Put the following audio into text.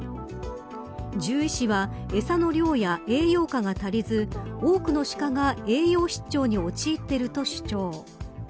獣医師は、餌の量や栄養価が足りず多くのシカが栄養失調に陥っていると主張。